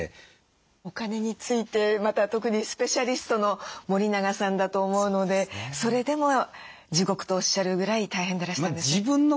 お金についてまた特にスペシャリストの森永さんだと思うのでそれでも地獄とおっしゃるぐらい大変でらしたんですね。